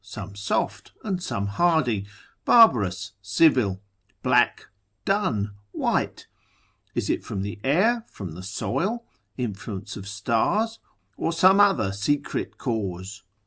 5. some soft, and some hardy, barbarous, civil, black, dun, white, is it from the air, from the soil, influence of stars, or some other secret cause?